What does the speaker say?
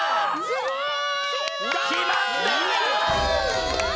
すごい！